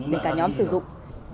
để cả nhóm sử dụng